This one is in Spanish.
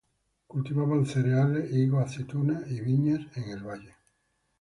Cultivaban cereales, higos, aceitunas y viñas en el valle.